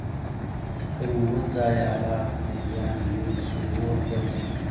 که مي اووه ځایه حلال کړي ـ بیا مي یوسي اور ته ـ